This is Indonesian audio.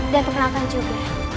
dan perkenalkan juga